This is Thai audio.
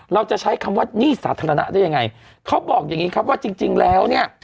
เราจะใช้คำว่าหนี้สาธารณะได้ยังไงเขาบอกอย่างงี้ครับว่าจริงจริงแล้วเนี่ย